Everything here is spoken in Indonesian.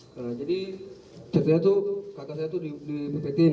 nah jadi ceritanya tuh kaca saya tuh di pepetin